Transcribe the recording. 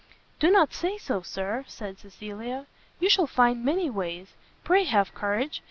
"Do not say so, Sir!" said Cecilia, "you shall find many ways; pray have courage!